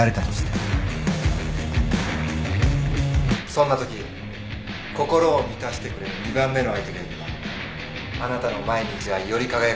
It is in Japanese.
そんなとき心を満たしてくれる２番目の相手がいればあなたの毎日はより輝くはず。